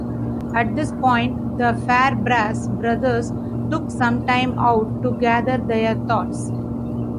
At this point the Fairbrass brothers took some time out to gather their thoughts.